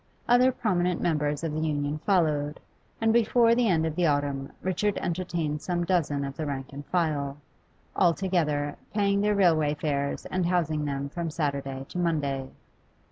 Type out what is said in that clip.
Other prominent members of the Union followed, and before the end of the autumn Richard entertained some dozen of the rank and file, all together, paying their railway fares and housing them from Saturday to Monday.